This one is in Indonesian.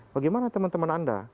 bagaimana teman teman anda